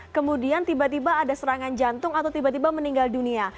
kemudian tiba tiba ada serangan jantung atau tiba tiba meninggal dunia